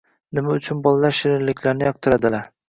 Nima uchun bolalar shirinliklarni yoqtiradilar.